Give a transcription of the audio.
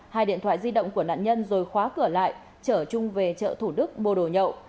hai điện thoại di động của nạn nhân rồi khóa cửa lại chở chung về chợ thủ đức mô đồ nhậu